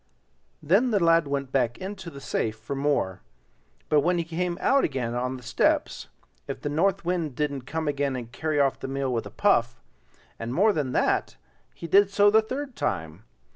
Then the lad went back into the safe for more; but when he came out again on the steps, if the North Wind didn't come again and carry off the meal with a puff; and more than that, he did so the third time.